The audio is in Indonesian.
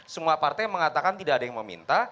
semua partai mengatakan tidak ada yang meminta